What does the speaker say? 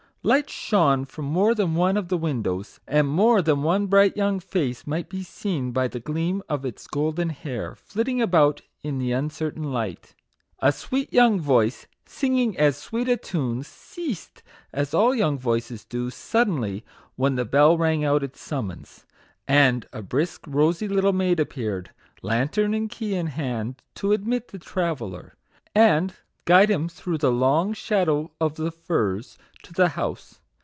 Lights shone from more than one of the windows; and more than one bright young face might be seen, by the gleam of its golden hair, flit ting about in the uncertain light. A sweet young voice singing as sweet a tune ceased, as all young voices do, suddenly, when the bell 6 MAGIC WORDS. rang out its summons, and a brisk, rosy little maid appeared, lantern and key in hand, to admit the traveller, and guide him through the long shadow of the firs to the house.